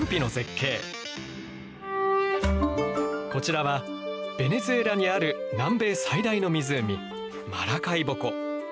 こちらはベネズエラにある南米最大の湖マラカイボ湖。